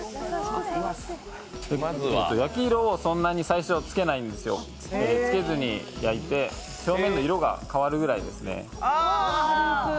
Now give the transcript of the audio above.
まずは、焼き色をそんなに最初つけないんですよ、つけずに焼いて表面の色が変わるぐらいですね。